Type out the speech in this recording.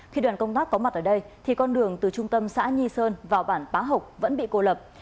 khi đoàn công tác có mặt ở đây thì con đường từ trung tâm xã nhi sơn vào bản bá hộc vẫn bị cô lập